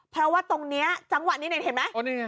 เพราะว่าตรงนี้จังหวะนี้เห็นไหม